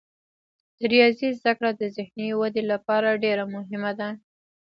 د ریاضي زده کړه د ذهني ودې لپاره ډیره مهمه ده.